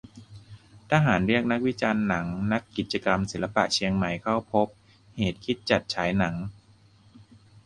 ทหารเรียกนักวิจารณ์หนัง-นักกิจกรรมศิลปะเชียงใหม่เข้าพบเหตุคิดจัดฉายหนัง